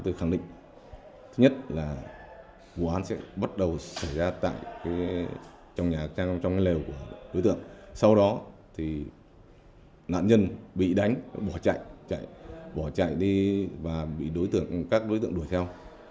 thì nạn nhân bị đánh bỏ chạy chạy bỏ chạy đi và bị đối tượng các đối tượng đuổi theo